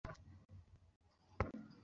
ওহ, না কী করবো, জানি না!